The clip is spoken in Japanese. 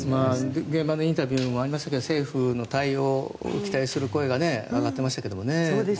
現場のインタビューにもありましたけど、政府の対応に期待する声が上がっていましたけどね。